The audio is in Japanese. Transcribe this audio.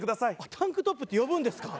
タンクトップって呼ぶんですか？